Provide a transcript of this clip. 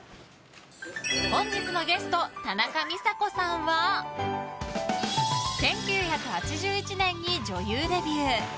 本日のゲスト田中美佐子さんは１９８１年に女優デビュー。